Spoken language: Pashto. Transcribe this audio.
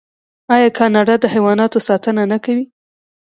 آیا کاناډا د حیواناتو ساتنه نه کوي؟